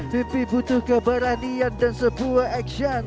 mimpi butuh keberanian dan sebuah aksan